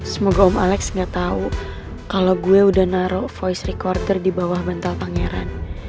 semoga om alex gak tau kalo gue udah naro voice recorder dibawah bantal pangeran